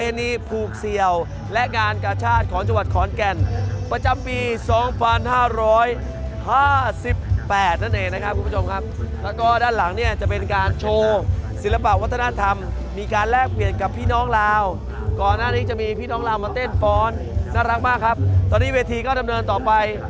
ที่เวทีก้าวดำเนินต่อไป